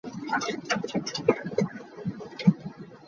"Manassas" managed to dodge the blow but ran aground in the process.